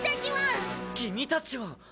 キミたちは。